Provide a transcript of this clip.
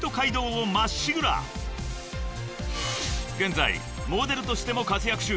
［現在モデルとしても活躍中］